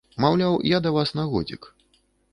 Маўляў, я да вас на годзік.